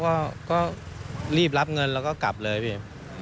ก็รีบรับเงินแล้วก็กลับเลยพี่